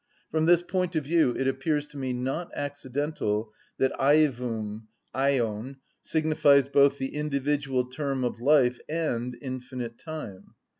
From this point of view it appears to me not accidental that ævum, αἰων, signifies both the individual term of life and infinite time.